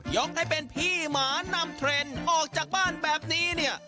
ยกให้เป็นพี่หมานำเทรนด์ออกจากบ้านแบบนี้เนี่ย